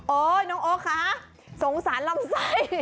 น้องโอ๊คคะสงสารลำไส้